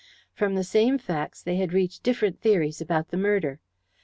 From the same facts they had reached different theories about the murder.